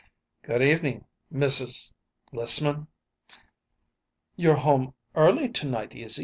"Good evening, Mrs. Lissman." "You're home early to night, Izzy?"